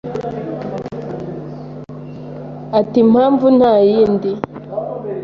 Ati Impamvu nta yindi